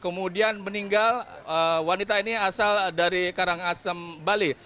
kemudian meninggal wanita ini asal dari karangasem bali